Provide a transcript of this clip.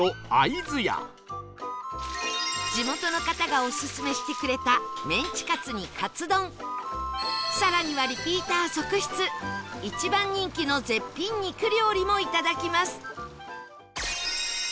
地元の方がオススメしてくれたメンチカツにカツ丼更にはリピーター続出一番人気の絶品肉料理もいただきます